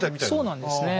そうなんですね。